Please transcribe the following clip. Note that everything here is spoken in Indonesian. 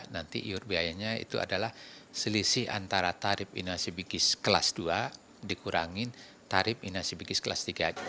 nanti iur biayanya itu adalah selisih antara tarif inasi bigis kelas dua dikurangin tarif inasi bigis kelas tiga